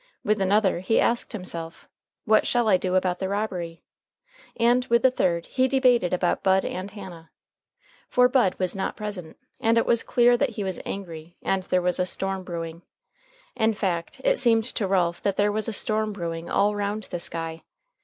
With another he asked himself, What shall I do about the robbery? And with the third he debated about Bud and Hannah. For Bud was not present, and it was clear that he was angry, and there was a storm brewing. In fact, it seemed to Ralph that there was a storm brewing all round the sky.